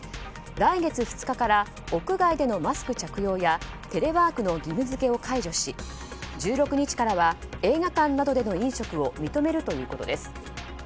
来月２日から屋外でのマスク着用やテレワークの義務付けを解除し１６日からは映画館などでの飲食を認めるということです。